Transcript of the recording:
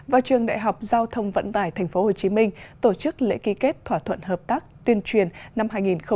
và trường đại học giao thông vận tải tp hcm tổ chức lễ ký kết thỏa thuận hợp tác tuyên truyền năm hai nghìn một mươi chín